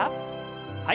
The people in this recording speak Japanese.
はい。